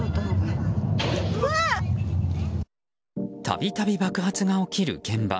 度々、爆発が起きる現場。